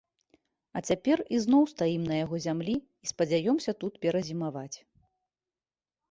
А цяпер ізноў стаім на яго зямлі і спадзяёмся тут перазімаваць.